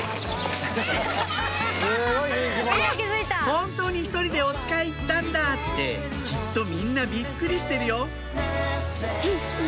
「本当に１人でおつかい行ったんだ」ってきっとみんなびっくりしてるよ